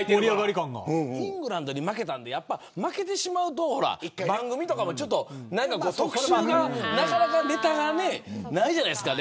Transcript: イングランドに負けたんで負けてしまうと番組とかも特集がなかなかネタがないじゃないですか。